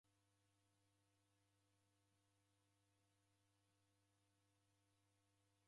Kula mndu uandike irina jape aha.